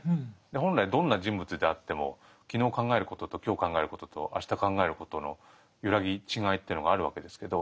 で本来どんな人物であっても昨日考えることと今日考えることと明日考えることの揺らぎ違いっていうのがあるわけですけど。